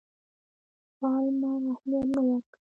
پالمر اهمیت نه ورکاوه.